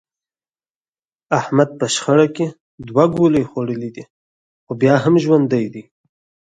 احمد په شخړه کې دوه ګولۍ خوړلې دي، خو بیا هم ژوندی دی.